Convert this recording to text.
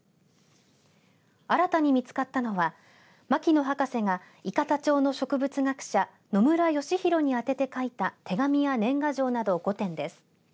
新たに見つかったのは牧野博士が伊方町の植物学者野村義弘に宛てて書いた手紙や年賀状など５点です。